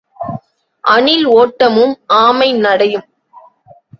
அணில் ஓட்டமும் ஆமை நடையும்.